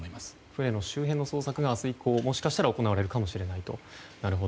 船の周辺の捜索が明日以降もしかしたら行われるかもしれないと。